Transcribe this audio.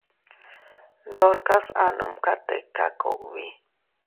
Ndorkas a numka tika kugbi.